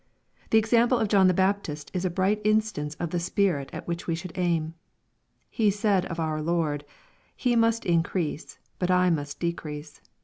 The example of John the Baptist is a bright instance of the spirit at which we should aim. He said of our Lord, " He must increase, but I must decrease."